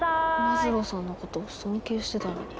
マズローさんのこと尊敬してたのに。